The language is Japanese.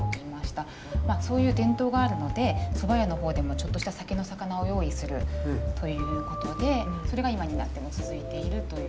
まあそういう伝統があるので蕎麦屋の方でもちょっとした酒の肴を用意するということでそれが今になっても続いているという。